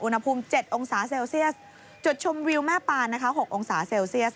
อุณหภูมิ๗องศาเซลเซียสจุดชมวิวแม่ปานนะคะ๖องศาเซลเซียส